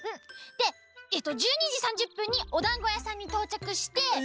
でえっと１２じ３０ぷんにおだんごやさんにとうちゃくして。